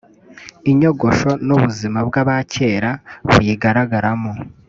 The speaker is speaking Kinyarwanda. inyogosho n’ubuzima bw’abacyera buyigaragaramo